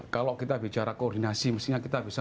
kalau kita bicara koordinasi mestinya kita bisa